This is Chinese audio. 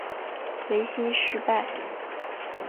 维新事败。